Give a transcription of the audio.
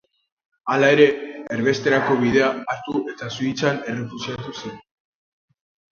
Hala ere, erbesterako bidea hartu eta Suitzan errefuxiatu zen.